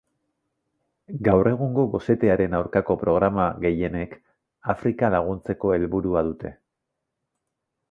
Gaur egungo gosetearen aurkako programa gehienek Afrika laguntzeko helburua dute.